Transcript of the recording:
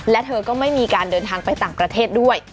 และเธอก็ไม่มีการเดินทางไปต่างประเทศด้วย